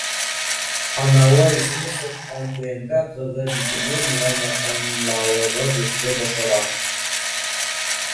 Анауы исеме сыҡҡан ПМК ҡыҙы Бибинур менән яҡынлауығыҙ эсте бошора